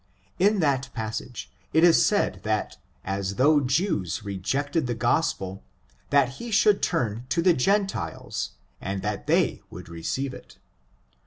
In that passage it is said that as the Jews rejected the gospel, that he should turn to the gen tiles, and that they would receive it.